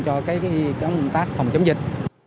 cho công tác phòng chống dịch